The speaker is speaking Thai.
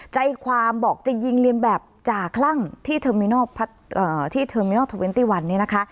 ใจความบอกจะยิงเรียนแบบจากรั่งที่เทอร์มินอล๒๑